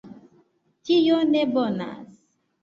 Tio ne bonas!